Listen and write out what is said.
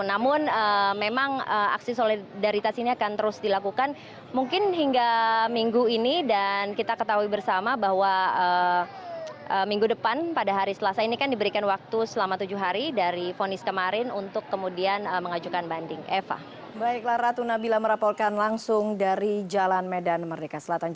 namun memang aksi solidaritas ini akan terus